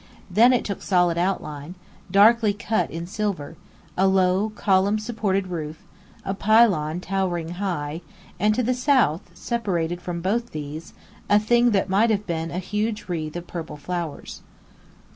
Then it took solid outline; darkly cut in silver; a low, column supported roof; a pylon towering high; and to the south, separated from both these, a thing that might have been a huge wreath of purple flowers.